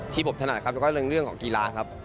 ที่ผมถนัดก็เรื่องของกีฬาครับ